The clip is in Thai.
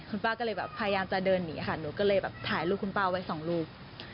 คุณป้าก็เลยแบบพยายามจะเดินหนีค่ะหนูก็เลยแบบถ่ายรูปคุณป้าไว้สองรูป